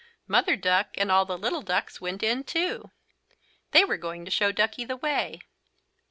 Mother Duck and all the little ducks went in too. They were going to show Duckie the way.